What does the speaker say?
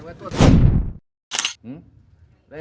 รับตัวใหม่